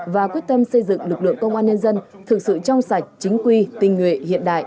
và quyết tâm xây dựng lực lượng công an nhân dân thực sự trong sạch chính quy tinh nguyện hiện đại